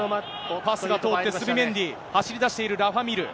パスが通って、スビメンディ、走り出している、ラファ・ミール。